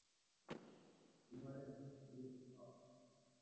عمریں خوشیلی مئ آش